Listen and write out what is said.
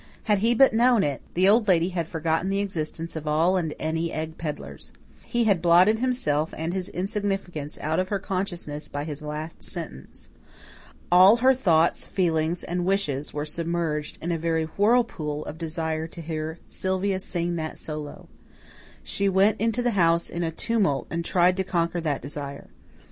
Had he but known it, the Old Lady had forgotten the existence of all and any egg pedlars. He had blotted himself and his insignificance out of her consciousness by his last sentence. All her thoughts, feelings, and wishes were submerged in a very whirlpool of desire to hear Sylvia sing that solo. She went into the house in a tumult and tried to conquer that desire.